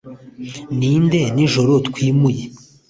ninde, nijoro, twimuye